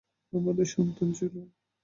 আমাদের সন্তান ছিল।